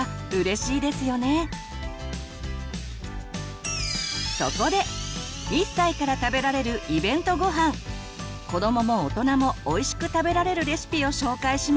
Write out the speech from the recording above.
子どもも大人もおいしく食べられるレシピを紹介します。